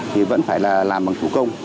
thì vẫn phải là làm bằng thủ công